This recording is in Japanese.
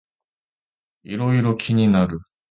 いろいろ気になる